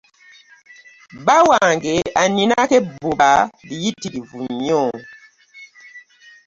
Bba wange aninako ebbuba liyitirivu nnyo.